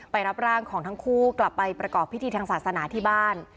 รับร่างของทั้งคู่กลับไปประกอบพิธีทางศาสนาที่บ้าน